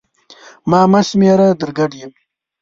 ما مه شمېره در ګډ یم!